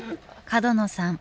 角野さん